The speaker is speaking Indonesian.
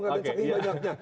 gak ada yang cekikik banyaknya